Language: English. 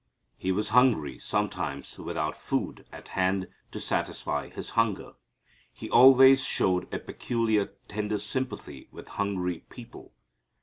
He was hungry sometimes without food at hand to satisfy His hunger. He always showed a peculiar tender sympathy with hungry people.